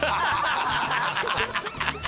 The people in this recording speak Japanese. ハハハハ！